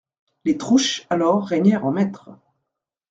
Les Trouche alors régnèrent en maîtres.